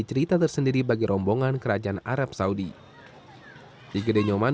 kita tidak mengikuti sholat jumat